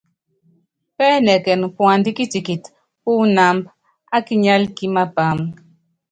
Pɛ́ɛnɛkɛn puand kitikit pú inámb á kinyál kí mapáam.